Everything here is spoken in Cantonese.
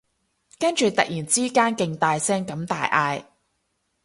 跟住突然之間勁大聲咁大嗌